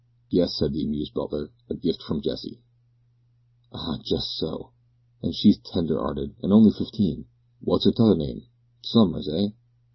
"Yes," said the amused butler, "a gift from Jessie." "Ah! jus' so. An' she's tender 'earted an' on'y fifteen. Wots 'er tother name? Summers, eh?